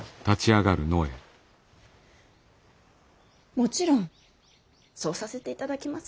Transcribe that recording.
もちろんそうさせていただきます。